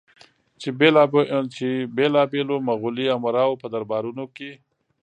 چې بېلابېلو مغولي امراوو په دربارونو کې